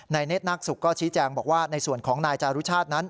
เนธนาคศุกร์ก็ชี้แจงบอกว่าในส่วนของนายจารุชาตินั้น